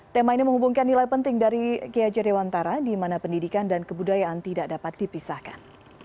tema ini menghubungkan nilai penting dari kiaje dewantara di mana pendidikan dan kebudayaan tidak dapat dipisahkan